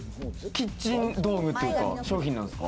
キッチン道具というか、商品なんですか？